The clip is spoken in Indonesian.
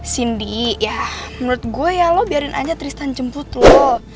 cindy ya menurut gue ya lo biarin aja tristan jemput loh